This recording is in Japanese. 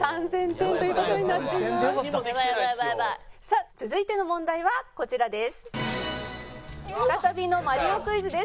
さあ続いての問題はこちらです。